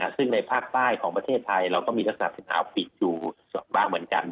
ซึ่งในภาคใต้ของประเทศไทยเราก็มีลักษณะสีขาวปิดอยู่บ้างเหมือนกัน